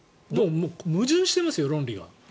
矛盾してますよ、論理が。